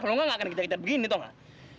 kalau enggak gak akan kita kita begini tau gak